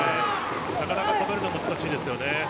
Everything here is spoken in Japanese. なかなか止めるのは難しいですよね。